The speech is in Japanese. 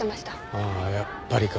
ああやっぱりか。